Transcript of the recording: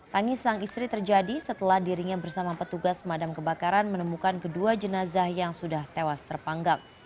tangis sang istri terjadi setelah dirinya bersama petugas pemadam kebakaran menemukan kedua jenazah yang sudah tewas terpanggang